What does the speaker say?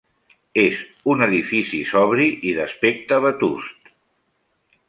És un edifici sobri i d'aspecte vetust.